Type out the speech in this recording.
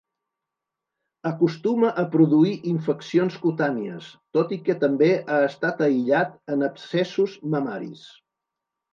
Acostuma a produir infeccions cutànies, tot i que també ha estat aïllat en abscessos mamaris.